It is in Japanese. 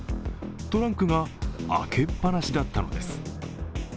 トランクが開けっぱなしだったのです。